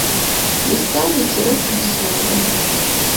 Лістамі ці рэдкім словам.